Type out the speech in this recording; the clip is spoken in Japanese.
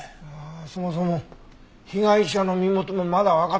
そもそも被害者の身元もまだわかってないんだよな？